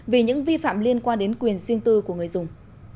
vì những vi phạm liên quan đến quyền riêng tư của người dùng